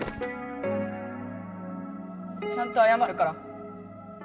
ちゃんとあやまるから。